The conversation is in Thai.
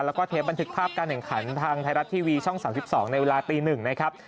แล้วก็เทปบันทึกภาพการแข่งขันทางไทยรัฐทีวีช่อง๓๒ในเวลาตี๑นะครับ